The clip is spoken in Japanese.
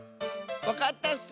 わかったッス！